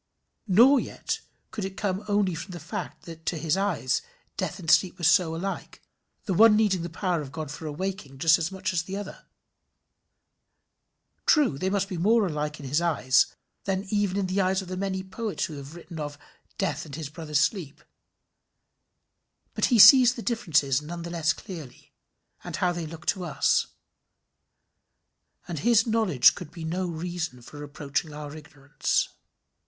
Nor yet could it come only from the fact that to his eyes death and sleep were so alike, the one needing the power of God for awaking just as much as the other. True they must be more alike in his eyes than even in the eyes of the many poets who have written of "Death and his brother Sleep;" but he sees the differences none the less clearly, and how they look to us, and his knowledge could be no reason for reproaching our ignorance.